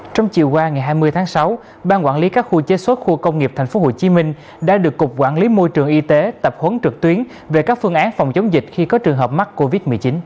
trong chiều qua ngày hai mươi tháng sáu ban quản lý các khu chế xuất khu công nghiệp tp hcm đã được cục quản lý môi trường y tế tập huấn trực tuyến về các phương án phòng chống dịch khi có trường hợp mắc covid một mươi chín